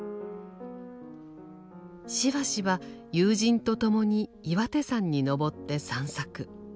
しばしば友人と共に岩手山に登って散策。